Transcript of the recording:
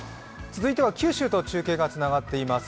続いては九州と中継がつながっています。